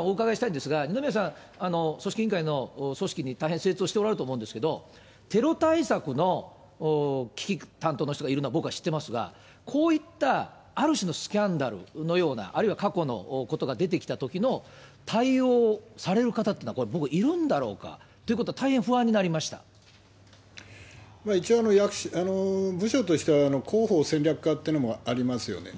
お伺いしたいんですが、二宮さん、組織委員会の組織に大変精通しておられると思うんですけれども、テロ対策の危機担当の人がいるのは僕は知っていますが、こういったある種のスキャンダルのような、あるいは過去のことが出てきたときの対応される方っていうのは、これ、僕はいるんだろうかという一応、部署としては広報戦略課っていうのもありますよね。